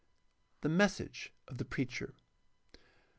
The message of the preacher.